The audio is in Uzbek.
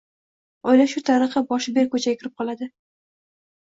Oila shu tariqa boshi berk ko‘chaga kirib qoladi.